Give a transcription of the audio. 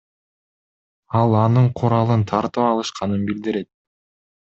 Ал анын куралын тартып алышканын билдирет.